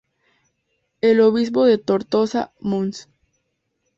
El obispo de Tortosa, Mons.